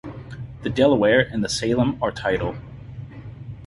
The Delaware and the Salem are tidal.